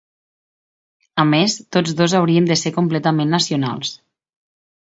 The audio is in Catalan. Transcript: A més, tots dos haurien de ser completament nacionals.